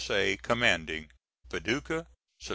A., Commanding._ PADUCAH, Sept.